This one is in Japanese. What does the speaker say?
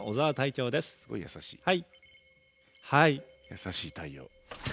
優しい対応。